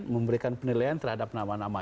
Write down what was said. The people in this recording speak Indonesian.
memberikan penilaian terhadap nama nama